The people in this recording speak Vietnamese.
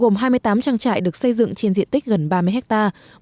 gồm hai mươi tám trang trại được xây dựng trên diện tích gần ba mươi hectare